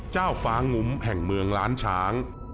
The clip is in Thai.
ฟ้างุ้มแห่งเมืองล้านช้าง